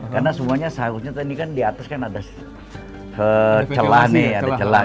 karena semuanya seharusnya tadi kan di atas kan ada celah nih